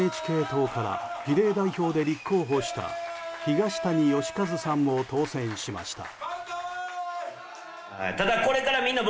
ＮＨＫ党から比例代表で立候補した東谷義和さんも当選しました。